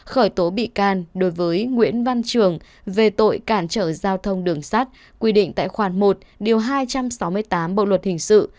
khởi tố bị can đối với nguyễn văn trường về tội cản trở giao thông đường sát quy định tại khoản một điều hai trăm sáu mươi tám bộ luật hình sự